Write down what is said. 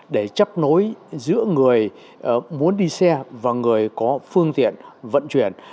để chấp nối giữa người muốn đi xe và người có phương tiện vận chuyển